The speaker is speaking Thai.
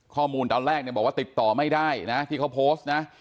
ตอนแรกเนี่ยบอกว่าติดต่อไม่ได้นะที่เขาโพสต์นะ